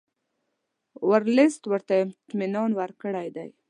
ورلسټ ورته اطمینان ورکړی وو.